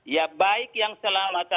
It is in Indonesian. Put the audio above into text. ya baik yang selamat